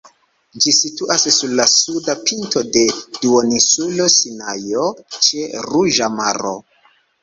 Ĝi situas sur la suda pinto de duoninsulo Sinajo, ĉe Ruĝa Maro.